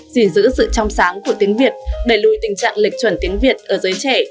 gì giữ sự trong sáng của tiếng việt đẩy lùi tình trạng lịch chuẩn tiếng việt ở giới trẻ